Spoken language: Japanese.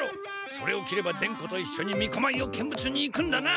それを着れば伝子と一緒にみこまいを見物に行くんだな。